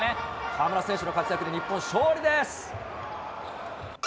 河村選手の活躍で日本勝利です。